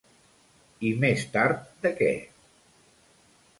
I més tard de què?